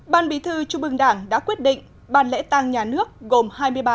ban bị thư trung mương đảng đã quyết định ban lễ tăng nhà nước gồm hai